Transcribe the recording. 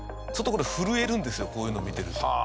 ちょっとこれ震えるんですよこういうの見てると。